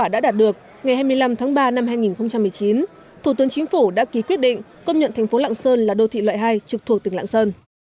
đã đạt được ngày hai mươi năm tháng ba năm hai nghìn một mươi chín thủ tướng chính phủ đã ký quyết định công nhận thành phố lạng sơn là đô thị loại hai trực thuộc tỉnh lạng sơn